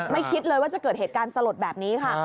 คิดเลยว่าจะเกิดเหตุการณ์สลดแบบนี้ค่ะ